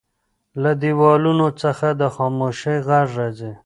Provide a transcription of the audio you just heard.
له دیوالونو څخه د خاموشۍ غږ راځي.